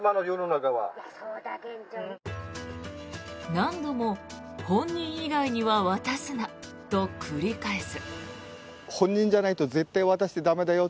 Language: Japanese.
何度も本人以外には渡すなと繰り返す。